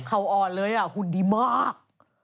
เขาอ่อนเลยอะคุณดีมาก